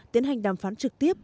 tiến hành đàm phán trực tiếp